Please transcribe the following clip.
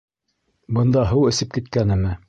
— Бында һыу эсеп киткәнеме?